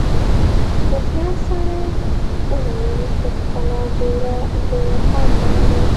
هوښیار سړي وویل ته خپله ډېره لویه پانګه لرې.